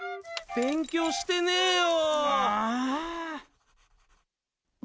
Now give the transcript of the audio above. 勉強してねえよ。